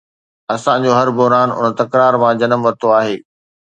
اسان جو هر بحران ان تڪرار مان جنم ورتو آهي.